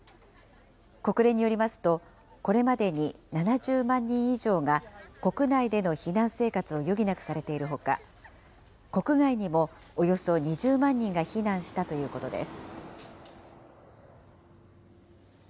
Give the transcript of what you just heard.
国連によりますと、これまでに７０万人以上が、国内での避難生活を余儀なくされているほか、国外にもおよそ２０万人が避難したということです。